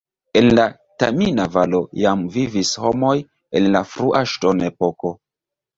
En la Tamina-Valo jam vivis homoj en la frua ŝtonepoko.